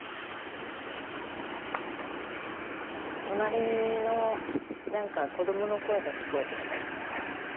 隣のなんか子どもの声が聞こえてきたりとか。